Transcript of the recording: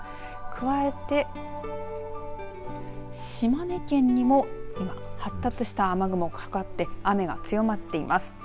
加えて、島根県にも今、発達した雨雲かかって雨が強まっています。